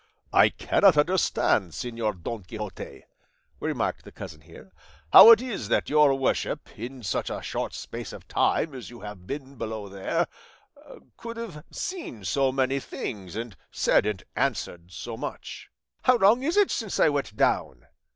"I cannot understand, Señor Don Quixote," remarked the cousin here, "how it is that your worship, in such a short space of time as you have been below there, could have seen so many things, and said and answered so much." "How long is it since I went down?"